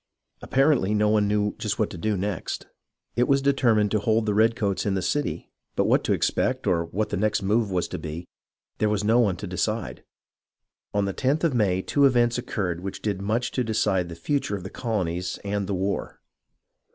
Apparently no one knew just what to do next. It was determined to hold the redcoats in the city, but what to expect, or what the next move was to be, there was no one to decide. On the lOth of May two events occurred which did much to decide the future of the colonies, and of the war.